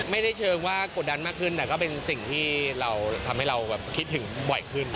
เชิงว่ากดดันมากขึ้นแต่ก็เป็นสิ่งที่เราทำให้เราคิดถึงบ่อยขึ้น